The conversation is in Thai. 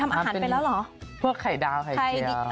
มันเป็นควรไข่ดาวไข่เจียว